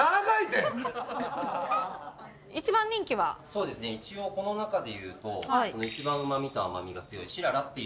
そうですね一応この中で言うと一番うまみと甘みが強い「しらら」っていう梅干しが。